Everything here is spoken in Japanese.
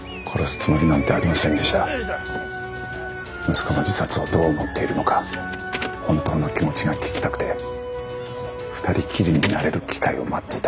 息子の自殺をどう思っているのか本当の気持ちが聞きたくて２人きりになれる機会を待っていたんです。